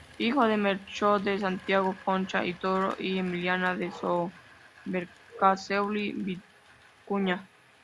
Hijo de Melchor de Santiago Concha y Toro y Emiliana Subercaseaux Vicuña.